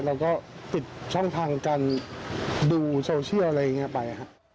เราก็ปิดช่องทางการดูโซเชียลอะไรอย่างนี้ไปครับ